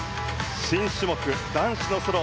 新種目、男子のソロ。